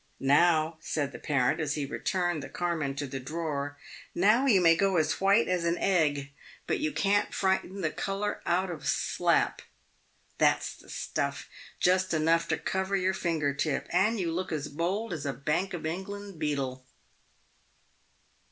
" Now," said the parent,»as he re turned the carmine to the drawer —" now you may go as white as an PAYED WITH GOLD. 363 egg, but you can't frighten the colour out of c slap.' That's the stuff. Just enough to cover your finger tip, and you look as bold as a Bank of England beadle."